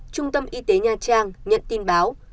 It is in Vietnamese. trung tâm y tế nha trang nhận tin báo